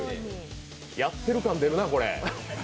やってる感出るな、これ。